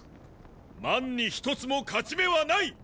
万に一つも勝ち目はない！